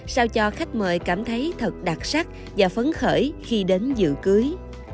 sao cho khách mời cảm thấy thật đặc sắc và phấn khởi khi đến dự cưới